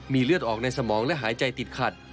มีเลือดออกในสมองและหายใจติดขัด